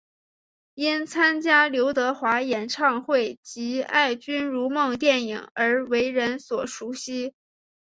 因参演刘德华演唱会及爱君如梦电影而为人所熟悉。